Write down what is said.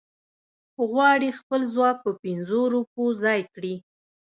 غواړي خپل ځواک په پنځو روپو ځای کړي.